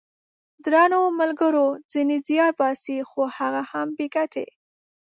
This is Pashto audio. درنو ملګرو ! ځینې زیار باسي خو هغه هم بې ګټې!